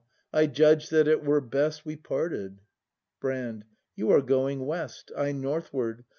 I judge that it were best We parted. Brand. You are going west, I northward.